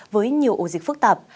với nhiều ổ dịch phức tạp